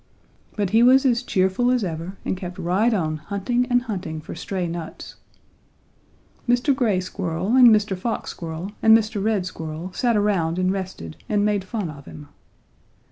But he was as cheerful as ever and kept right on hunting and hunting for stray nuts. Mr. Gray Squirrel and Mr. Fox Squirrel and Mr. Red Squirrel sat around and rested and made fun of him.